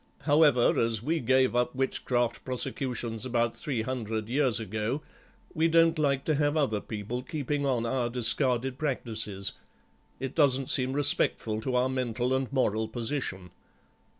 However, as we gave up witchcraft prosecutions about three hundred years ago, we don't like to have other people keeping on our discarded practices; it doesn't seem respectful to our mental and moral position."